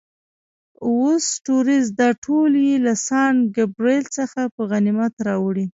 اووه ستوریز، دا ټول یې له سان ګبرېل څخه په غنیمت راوړي.